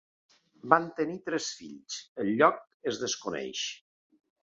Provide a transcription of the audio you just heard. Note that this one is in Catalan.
Van tenir tres fills, el lloc es desconeix.